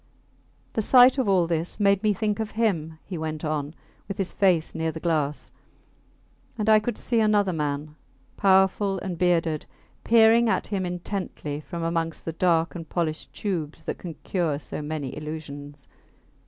The sight of all this made me think of him, he went on, with his face near the glass ... and I could see another man, powerful and bearded, peering at him intently from amongst the dark and polished tubes that can cure so many illusions.